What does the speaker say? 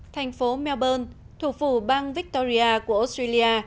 thành phố melbourne thuộc vụ bang victoria của australia